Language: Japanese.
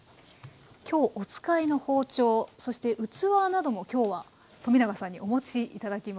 今日お使いの包丁そして器なども今日は冨永さんにお持ち頂きました。